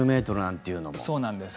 そうなんです。